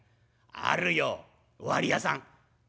「あるよおわり屋さん」。